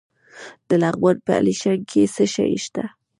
د لغمان په علیشنګ کې څه شی شته؟